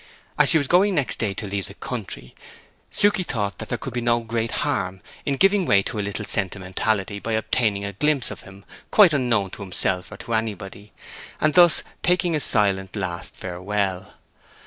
As she was going next day to leave the country, Suke thought there could be no great harm in giving way to a little sentimentality by obtaining a glimpse of him quite unknown to himself or to anybody, and thus taking a silent last farewell.